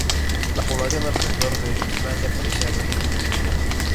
La población alrededor de Islandia parece haber ido mucho mejor.